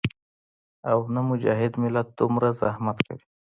او نۀ مجاهد ملت دومره زحمت کوي